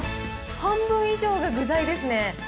半分以上が具材ですね。